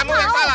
kamu yang salah